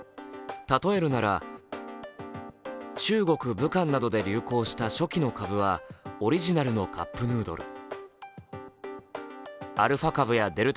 例えるなら中国・武漢などで流行した初期の株はオリジナルのカップヌードル。